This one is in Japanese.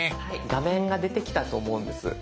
画面が出てきたと思うんです。